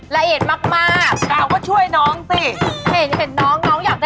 ละห่วงเนื้อของเจ้า